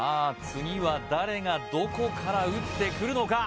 次は誰がどこから打ってくるのか？